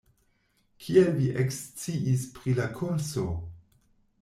Kiel vi eksciis pri la kurso?